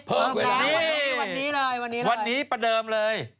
เพิ่มเวลาวันนี้เลยวันนี้ประเดิมเลย